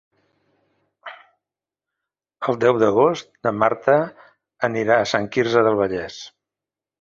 El deu d'agost na Marta anirà a Sant Quirze del Vallès.